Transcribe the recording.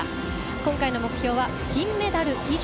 今回の目標は金メダル以上。